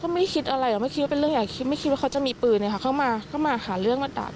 ไม่คิดว่าเขาจะมีปืนเลยค่ะเข้ามาหาเรื่องมาดัด